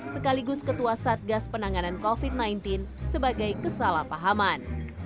sekaligus ketua satgas penanganan covid sembilan belas sebagai kesalahpahaman